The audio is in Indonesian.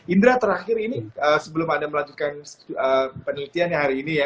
indra terakhir ini sebelum anda melanjutkan penelitian hari ini ya